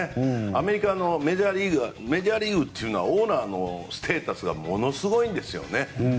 アメリカのメジャーリーグというのはオーナーのステータスがものすごいんですよね。